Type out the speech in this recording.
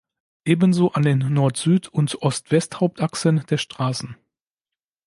Ebenso an den Nord-Süd- und Ost-West-Hauptachsen der Straßen.